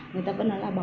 người ta vẫn nói là bò